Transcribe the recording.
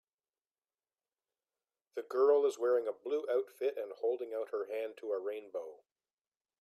The girl is wearing a blue outfit and holding out her hand to a rainbow